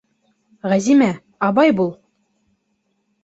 — Ғәзимә, абай бул!